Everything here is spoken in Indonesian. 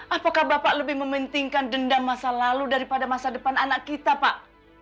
apakah bapak lebih mementingkan dendam masa lalu daripada masa depan anak kita pak